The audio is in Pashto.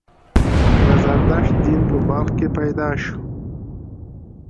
د زردشت دین په بلخ کې پیدا شو